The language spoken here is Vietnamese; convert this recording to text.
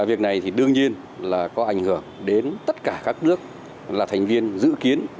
việc này đương nhiên có ảnh hưởng đến tất cả các nước là thành viên dự kiến